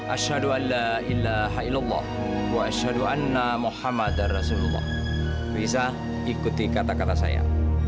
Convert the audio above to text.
asyadualla ilahaillallah wa asyaduanna muhammad rasulullah bisa ikuti kata kata saya